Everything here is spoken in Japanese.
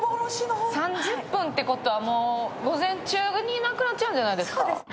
３０分ってことは午前中になくなっちゃうんじゃないですか。